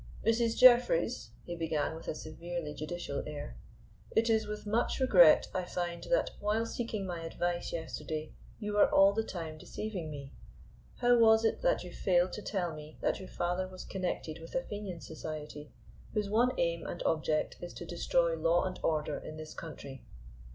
"Mrs. Jeffreys," he began with a severely judicial air, "it is with much regret I find that while seeking my advice yesterday you were all the time deceiving me. How was it that you failed to tell me that your father was connected with a Fenian Society whose one aim and object is to destroy law and order in this country."